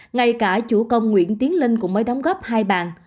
ngay cả chủ công nguyễn tiến linh cũng mới đóng góp hai bàn